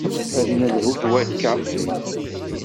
Ad d-nelhu d wakka.